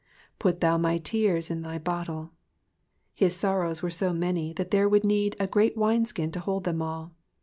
*'^Put thou my tears into thy bottle.''^ His sorrows were so many that there would need a great wine skin to hold them all.